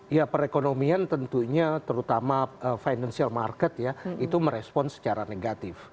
ya perekonomian tentunya terutama financial market ya itu merespon secara negatif